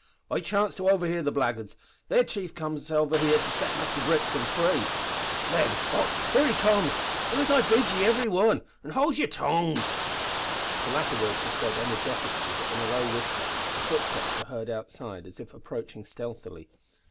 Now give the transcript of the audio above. I chanced to overhear the blackguards. Their chief comes here to set Muster Brixton free. Then och! here he comes! Do as I bid ye, ivery wan, an' howld yer tongues." The latter words were said energetically, but in a low whisper, for footsteps were heard outside as if approaching stealthily.